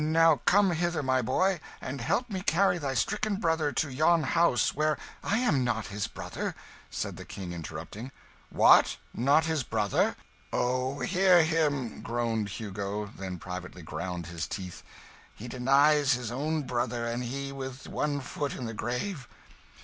Now come hither, my boy, and help me carry thy stricken brother to yon house, where " "I am not his brother," said the King, interrupting. "What! not his brother?" "Oh, hear him!" groaned Hugo, then privately ground his teeth. "He denies his own brother and he with one foot in the grave!"